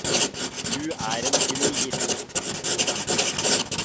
Du er en gnier.